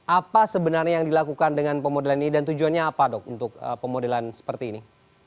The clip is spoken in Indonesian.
apa sebenarnya yang dilakukan dengan pemodelan ini dan tujuannya apa dok untuk pemodelan seperti ini